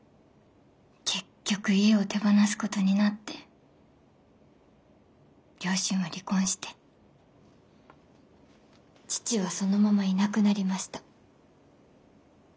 結局家を手放すことになって両親は離婚して父はそのままいなくなりました。